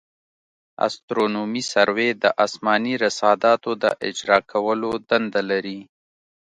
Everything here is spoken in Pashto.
استرونومي سروې د اسماني رصاداتو د اجرا کولو دنده لري